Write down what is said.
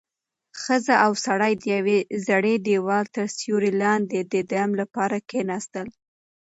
ښځه او سړی د یوې زړې دېوال تر سیوري لاندې د دم لپاره کېناستل.